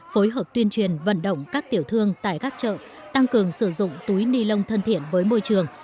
phối hợp tuyên truyền vận động các tiểu thương tại các chợ tăng cường sử dụng túi ni lông thân thiện với môi trường